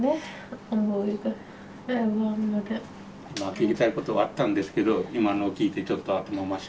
聞きたいことがあったんですけど今のを聞いてちょっと頭真っ白。